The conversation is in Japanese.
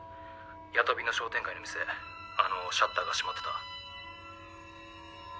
八飛の商店街の店あのシャッターが閉まってた。